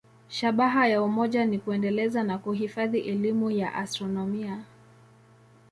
Shabaha ya umoja ni kuendeleza na kuhifadhi elimu ya astronomia.